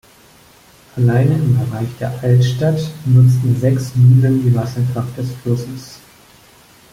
Alleine im Bereich der Altstadt nutzten sechs Mühlen die Wasserkraft des Flusses.